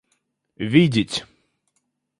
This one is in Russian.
видеть